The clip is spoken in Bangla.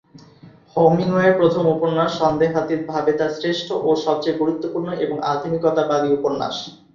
হেমিংওয়ের প্রথম উপন্যাস সন্দেহাতীতভাবে তাঁর শ্রেষ্ঠ ও সবচেয়ে গুরুত্বপূর্ণ এবং আধুনিকতাবাদী উপন্যাস।